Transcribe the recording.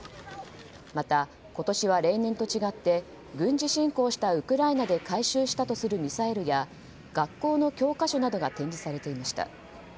また、今年は例年と違って軍事侵攻したウクライナで回収したとするミサイルや学校の教科書などが展示されていました。